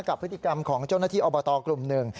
กับพฤติกรรมของเจ้าหน้าที่อบตกลุ่มหนึ่ง